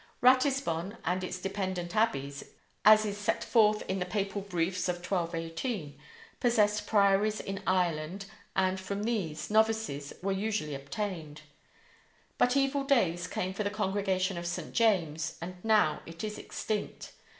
Ratisbon and its dependent abbeys, as is set forth in the papal briefs of 1218, possessed priories in Ireland, and, from these, novices were usually obtained. But evil days came for the Congregation of St. James, and now it is extinct.